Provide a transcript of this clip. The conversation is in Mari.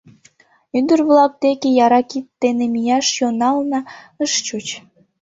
Ӱдыр-влак деке яра кид дене мияш йӧнанла ыш чуч.